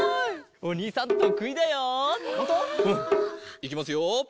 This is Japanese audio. うんいきますよ。